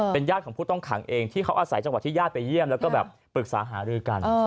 เป็นญาติของผู้ต้องขังเองที่เขาอาศัยจังหวัดที่ญาติไปเยี่ยมแล้วก็แบบปรึกษาหารือกัน